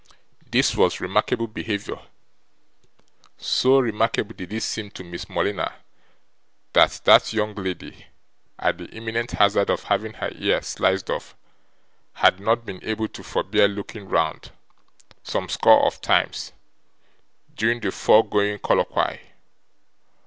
This was remarkable behaviour. So remarkable did it seem to Miss Morleena, that that young lady, at the imminent hazard of having her ear sliced off, had not been able to forbear looking round, some score of times, during the foregoing colloquy.